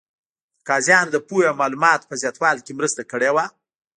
د قاضیانو د پوهې او معلوماتو په زیاتوالي کې مرسته کړې وه.